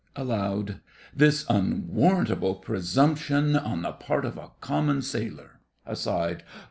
(Aloud.) This unwarrantable presumption on the part of a common sailor! (Aside.)